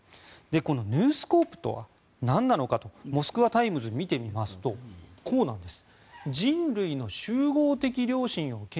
このヌースコープとはなんなのかとモスクワ・タイムズを見てみますとこうなんです。